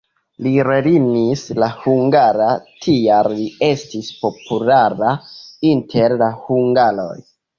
Li lernis la hungaran, tial li estis populara inter la hungaroj.